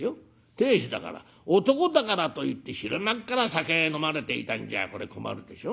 亭主だから男だからといって昼間っから酒飲まれていたんじゃこれ困るでしょ。